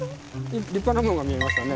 立派なものが見えますよね。